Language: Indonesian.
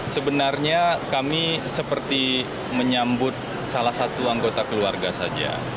sebenarnya kami seperti menyambut salah satu anggota keluarga saja